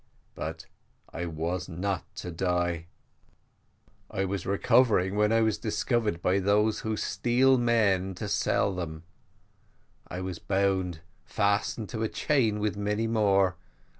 But I was not to die; I was recovering, when I was discovered by those who steal men to sell them: I was bound, and fastened to a chain with many more.